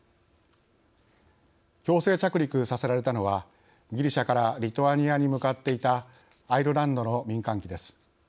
強制着陸させられたのはギリシャからリトアニアに向かっていたアイルランドの民間機です。